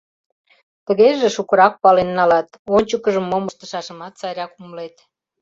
Тыгеже шукырак пален налат, ончыкыжым мом ыштышашымат сайрак умылет.